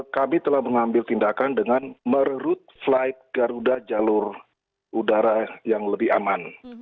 kami telah mengambil tindakan dengan meret flight garuda jalur udara yang lebih aman